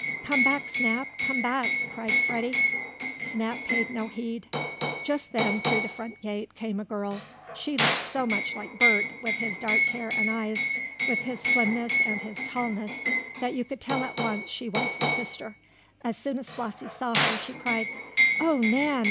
"Come back, Snap! Come back!" cried Freddie. Snap paid no heed. Just then, through the front gate, came a girl. She looked so much like Bert, with his dark hair and eyes, with his slimness and his tallness, that you could tell at once she was his sister. As soon as Flossie saw her, she cried: "Oh, Nan!